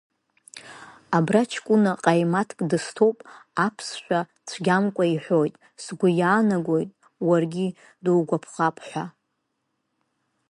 Абра ҷкәына ҟаимаҭк дысҭоуп, аԥсшәа цәгьамкәа иҳәоит, сгәы иаанагоит уаргьы дугәаԥхап ҳәа.